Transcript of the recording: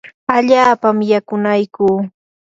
allaapam yakunaykuu.